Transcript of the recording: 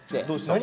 何？